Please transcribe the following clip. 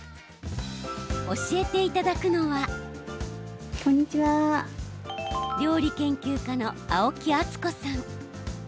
教えていただくのは料理研究家の青木敦子さん。